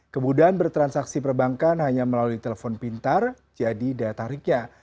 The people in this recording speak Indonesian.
kemudian bertransaksi perbankan hanya melalui telepon pintar jadi data riknya